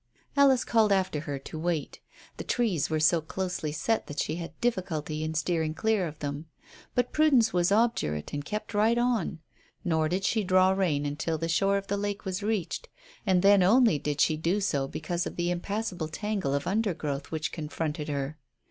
Alice called after her to wait. The trees were so closely set that she had difficulty in steering clear of them; but Prudence was obdurate and kept right on. Nor did she draw rein until the shore of the lake was reached, and then only did she do so because of the impassable tangle of undergrowth which confronted her.